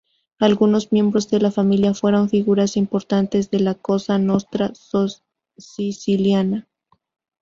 Algunos miembros de la familia fueron figuras importantes de la Cosa Nostra siciliana.